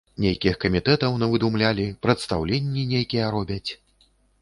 Нейкіх камітэтаў навыдумлялі, прадстаўленні нейкія робяць.